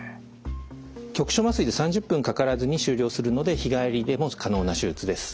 局所麻酔で３０分かからずに終了するので日帰りでも可能な手術です。